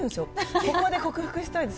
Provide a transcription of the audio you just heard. ここで克服したいです。